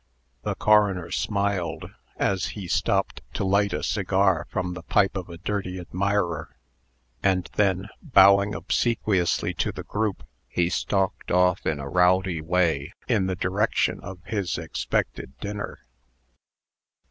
The coroner smiled, as he stopped to light a cigar from the pipe of a dirty admirer, and then, bowing obsequiously to the group, he stalked off in a rowdy way in the direction of his expected dinner.